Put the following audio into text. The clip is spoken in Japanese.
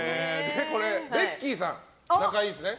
ベッキーさん、仲いいですね。